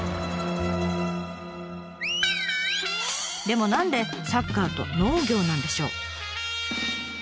でも何でサッカーと農業なんでしょう？